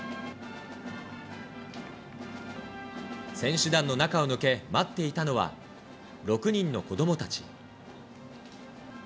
選手団の中を抜け、待っていたのは、６人の子どもたち。